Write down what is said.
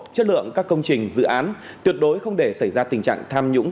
chất lượng các công trình dự án tuyệt đối không để xảy ra tình trạng tham nhũng